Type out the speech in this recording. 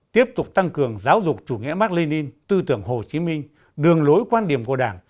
tiếp tục tăng cường giáo dục chủ nghĩa mark lenin tư tưởng hồ chí minh đường lối quan điểm của đảng